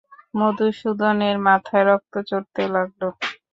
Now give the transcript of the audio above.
মধুসূদনের মাথায় রক্ত চড়তে লাগল।